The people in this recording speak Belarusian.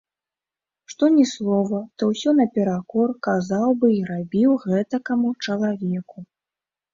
Што ні слова, то ўсё наперакор казаў бы й рабіў гэтакаму чалавеку.